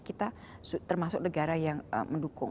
kita termasuk negara yang mendukung